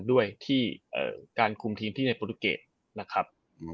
ด้วยที่การคุมทีมที่ในโปรตูเกตนะครับ